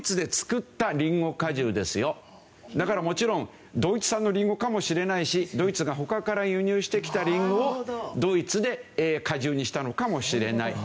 だからもちろんドイツ産のリンゴかもしれないしドイツが他から輸入してきたリンゴをドイツで果汁にしたのかもしれないという。